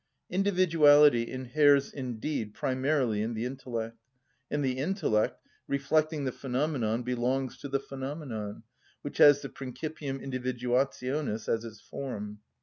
Individuality inheres indeed primarily in the intellect; and the intellect, reflecting the phenomenon, belongs to the phenomenon, which has the principium individuationis as its form.